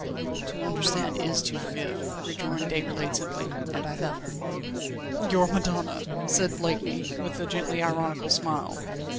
"To understand is to forgive," rejoined Déroulède simply, "and I love her." "Your madonna!" said Blakeney, with a gently ironical smile.